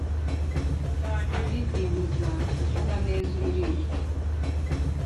kudidibuza: kuvuga neza ururimi